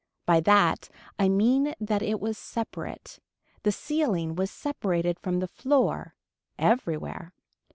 By that I mean that it was separate. The ceiling was separated from the floor. Everywhere.